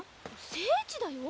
聖地だよ？